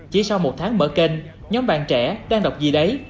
chỉ sau một tháng mở kênh nhóm bạn trẻ đang đọc gì đấy